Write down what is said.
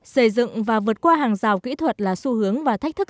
xây dựng và vượt qua hàng rào kỹ thuật là xu hướng và thách thức